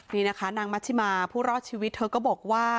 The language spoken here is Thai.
นี่นะคะนางมัชิมาผู้รอดชีวิตเธอก็บอกว่า